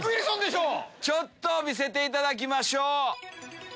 ちょっと見せていただきましょう。